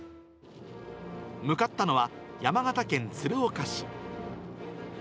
向かったのは、山形県鶴岡市。